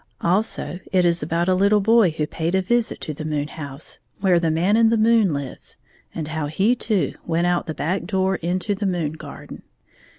Also it is about a little boy who paid a visit to the moon house^ where the Man in the moon lives^ and how he too went out the back door into the moon garden.